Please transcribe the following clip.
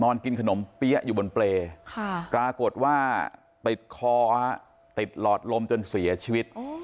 กินขนมเปี๊ยะอยู่บนเปรย์ปรากฏว่าติดคอติดหลอดลมจนเสียชีวิต